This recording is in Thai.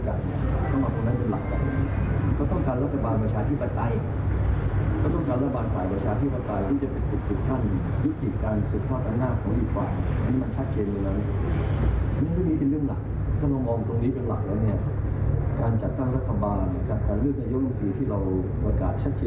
ชัดเจนว่าสมมุติวิทยาเป็นในยุคคนที่๓๐เนี่ยมันคือเป้าหมายหลัก